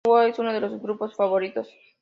The Who es uno de sus grupos favoritos.